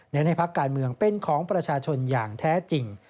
ให้พักการเมืองเป็นของประชาชนอย่างแท้จริง